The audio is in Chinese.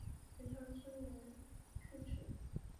向西通过一条虚设的直线与玻利维亚相邻。